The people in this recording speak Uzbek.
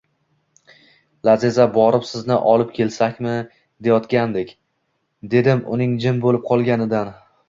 Laziza, borib sizni olib kelsakmi, deyayotgandik, dedim uning jim bo`lib qolganidan